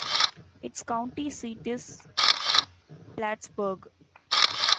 Its county seat is Plattsburg.